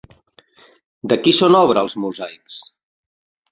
De qui són obra els mosaics?